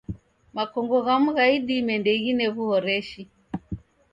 Makongo ghamu gha idime ndeghine w'uhoreshi.